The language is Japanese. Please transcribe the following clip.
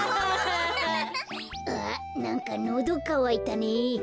あなんかのどかわいたね。